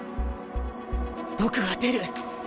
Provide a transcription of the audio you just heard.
僕は出る！